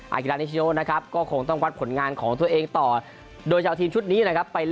กิลานิชโนนะครับก็คงต้องวัดผลงานของตัวเองต่อโดยจะเอาทีมชุดนี้นะครับ